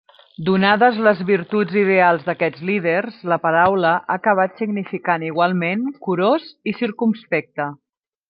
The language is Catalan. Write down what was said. Donades les virtuts ideals d'aquests líders, la paraula ha acabat significant igualment 'curós' i 'circumspecte'.